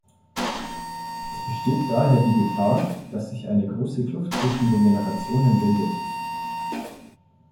Es besteht daher die Gefahr, dass sich eine große Kluft zwischen den Generationen bildet.